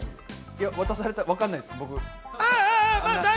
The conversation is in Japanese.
渡された、わからないです、僕。